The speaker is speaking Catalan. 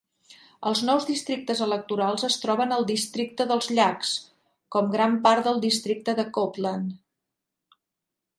Els nous districtes electorals es troben al Districte dels Llacs, com gran part del districte de Copeland.